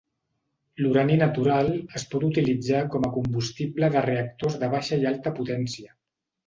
L'urani natural es pot utilitzar com a combustible de reactors de baixa i alta potència.